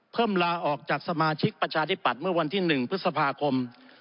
ลาออกจากสมาชิกประชาธิปัตย์เมื่อวันที่๑พฤษภาคม